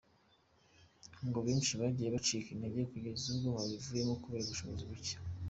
Ngo abenshi bagiye bacika intege kugeza ubwo babivuyemo kubera ubushobozi bucye.